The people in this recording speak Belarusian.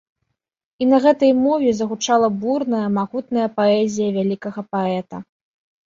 І на гэтай мове загучала бурная, магутная паэзія вялікага паэта.